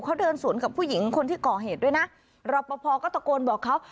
เขาเดินสวนกับผู้หญิงคนที่ก่อเหตุด้วยนะรอปภก็ตะโกนบอกเขา